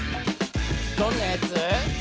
どんなやつ？